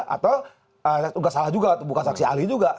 atau nggak salah juga bukan saksi ahli juga